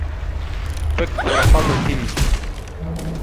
فَكُّ رَقَبَةٍ